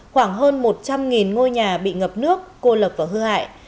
khoảng hơn một trăm linh ngôi nhà bị ngập nước cô lập và hư hại